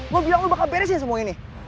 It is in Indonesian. gue bilang lo bakal beresin semua ini